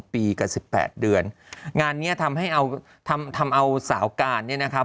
ปีกับ๑๘เดือนงานเนี้ยทำให้เอาทำทำเอาสาวการเนี่ยนะครับ